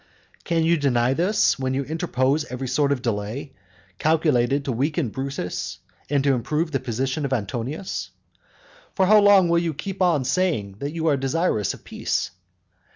VI. Can you deny this, when you interpose every sort of delay calculated to weaken Brutus, and to improve the position of Antonius? For how long will you keep on saying that you are desirous of peace?